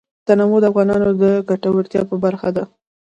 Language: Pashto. تنوع د افغانانو د ګټورتیا برخه ده.